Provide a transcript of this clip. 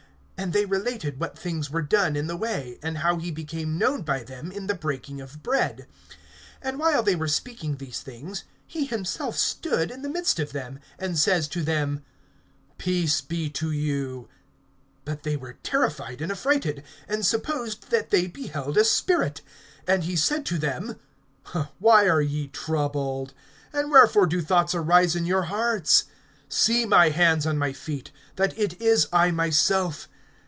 (35)And they related what things were done in the way, and how he became known by them in the breaking of bread. (36)And while they were speaking these things, he himself stood in the midst of them, and says to them: Peace be to you. (37)But they were terrified and affrighted, and supposed that they beheld a spirit. (38)And he said to them: Why are ye troubled? And wherefore do thoughts arise in your hearts? (39)See my hands and my feet, that it is I myself.